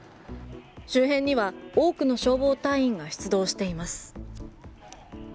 周辺には多くの消防隊員が出動しています。